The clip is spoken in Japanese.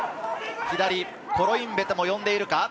左、コロインベテも呼んでいるか？